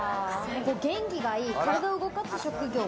元気がいい、体動かす職業。